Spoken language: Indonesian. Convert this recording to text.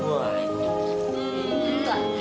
tuh lagi enaknya